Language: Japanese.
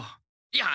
いや！